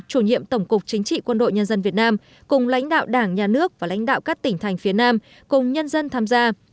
chủ nhiệm tổng cục chính trị quân đội nhân dân việt nam cùng lãnh đạo đảng nhà nước và lãnh đạo các tỉnh thành phía nam cùng nhân dân tham gia